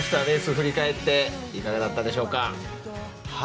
レース振り返っていかがだったでしょうか？